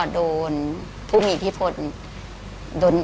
โดนภูมิที่พจน์